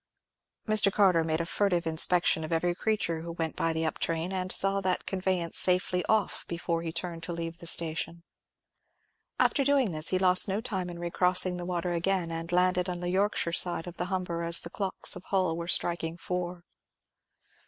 Mr. Carter made a furtive inspection of every creature who went by the up train, and saw that conveyance safely off before he turned to leave the station. After doing this he lost no time in re crossing the water again, and landed on the Yorkshire side of the Humber as the clocks of Hull were striking four.